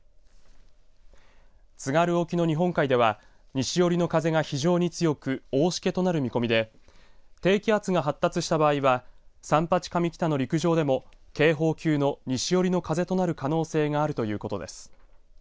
津軽沖の日本海では西寄りの風が非常に強く大しけとなる見込みで低気圧が発達した場合は三八上北の陸上でも警報級の西寄りの風となる可能性があるということです。